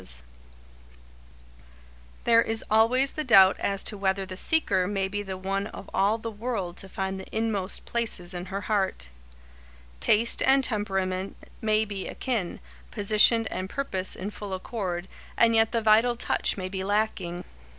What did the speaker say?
[Sidenote: The Vital Touch] There is always the doubt as to whether the seeker may be the one of all the world to find the inmost places in her heart. Taste and temperament may be akin, position and purpose in full accord, and yet the vital touch may be lacking.